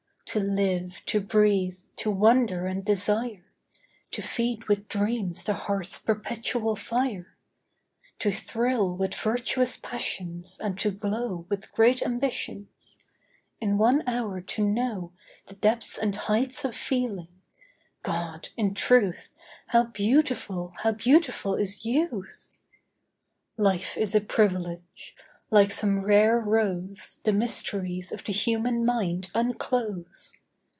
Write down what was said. To live, to breathe, to wonder and desire, To feed with dreams the heart's perpetual fire; To thrill with virtuous passions and to glow With great ambitions—in one hour to know The depths and heights of feeling—God! in truth How beautiful, how beautiful is youth! Life is a privilege. Like some rare rose The mysteries of the human mind unclose.